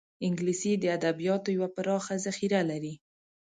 انګلیسي د ادبیاتو یوه پراخه ذخیره لري